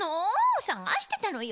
さがしてたのよ。